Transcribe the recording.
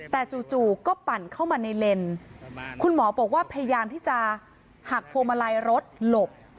แต่จู่ก็ปั่นเข้ามาในเลนคุณหมอบอกว่าพยายามที่จะหักพวงมาลัยรถหลบ